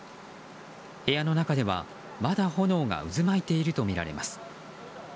部屋の中では、まだ炎が渦巻いているとみられます。